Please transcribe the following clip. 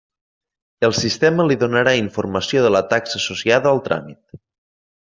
El sistema li donarà informació de la taxa associada al tràmit.